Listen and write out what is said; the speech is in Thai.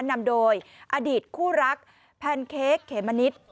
นำโดยอดีตคู่รักแพนเค้กเขมณิษฐ์